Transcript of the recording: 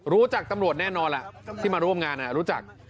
รู้จักตำรวจแน่นอนล่ะที่มาร่วมงานรู้จัก